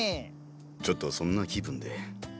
ちょっとそんな気分で。